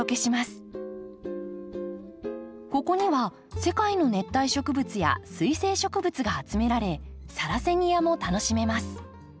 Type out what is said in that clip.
ここには世界の熱帯植物や水性植物が集められサラセニアも楽しめます。